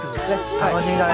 楽しみだね。